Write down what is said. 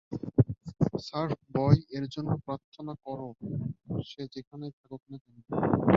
Surf boy এর জন্য প্রার্থনা করো, সে যেখানেই থাকুক না কেন।